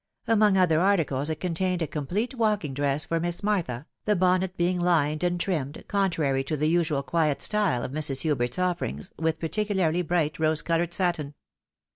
Among other articles, it contained a complete walking dress for Miss Martha, the bonnet being fined and trimmed, contrary to the usual qmet style of Mrs. Hubert's offerings, with particularly bright rose coloured satin.